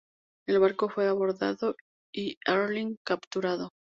El barco fue abordado y Erling capturado.